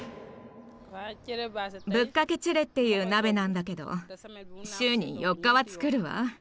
「ぶっかけチェレ」っていう鍋なんだけど週に４日は作るわ。